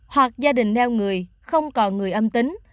hoặc gia đình neo người không còn người âm tính